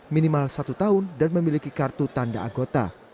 minimal satu tahun dan memiliki kartu tanda anggota